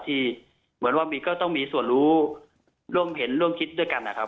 เหมือนว่าก็ต้องมีส่วนรู้ร่วมเห็นร่วมคิดด้วยกันนะครับ